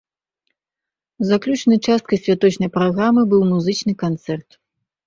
Заключнай часткай святочнай праграмы быў музычны канцэрт.